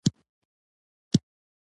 د ټوخي لپاره د څه شي اوبه وڅښم؟